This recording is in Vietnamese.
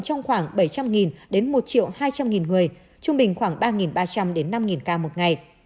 trong khoảng bảy trăm linh đến một hai trăm linh người trung bình khoảng ba ba trăm linh đến năm ca một ngày